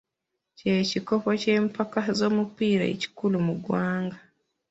Kye kikopo ky'empaka z'omupiira ekikulu mu ggwanga.